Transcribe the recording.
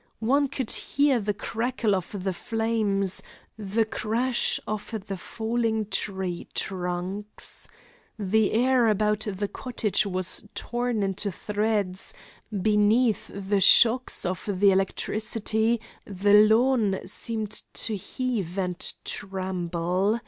One could hear the crackle of the flames, the crash of the falling tree trunks. The air about the cottage was torn into threads; beneath the shocks of the electricity the lawn seemed to heave and tremble.